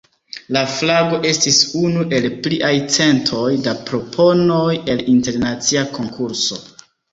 La flago estis unu el pliaj centoj da proponoj el internacia konkurso.